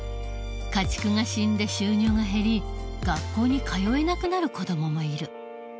家畜が死んで収入が減り学校に通えなくなる子どももいる。